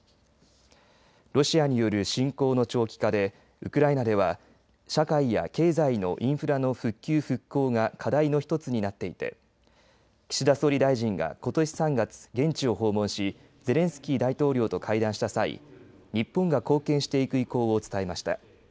ロシアによる侵攻の長期化でウクライナでは社会や経済のインフラの復旧・復興が課題の１つになっていて岸田総理大臣がことし３月現地を訪問しゼレンスキー大統領と会談した際日本が貢献していく意向を伝えました。